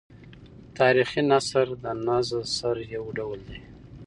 تاریخي نثر د نثر یو ډول دﺉ.